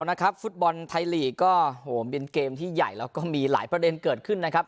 นะครับฟุตบอลไทยลีกก็โหมเป็นเกมที่ใหญ่แล้วก็มีหลายประเด็นเกิดขึ้นนะครับ